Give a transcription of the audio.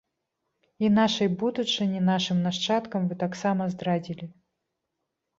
І нашай будучыні, нашым нашчадкам вы таксама здрадзілі!